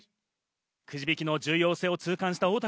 くじ引きの重要性を痛感した大竹。